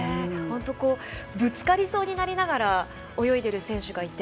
ぶつかりそうになりながら泳いでいる選手がいて。